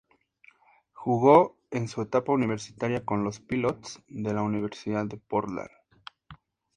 Jugó en su etapa universitaria con los Pilots de la Universidad de Portland.